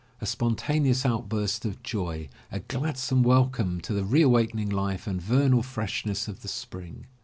A spontaneous outburst of joy, a gladsome welcome to the re awakening life and vernal freshness of the Spring!